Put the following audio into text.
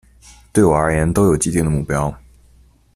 对我而言都有既定的目标